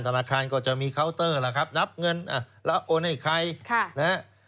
ธนาคารก็จะมีเคาน์เตอร์ล่ะครับนับเงินแล้วโอนให้ใครนะฮะ